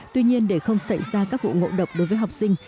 tuy nhiên để không xảy ra các vụ ngộ độc đối với học sinh